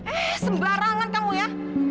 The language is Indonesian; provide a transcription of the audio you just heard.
eh sembarangan kamu ya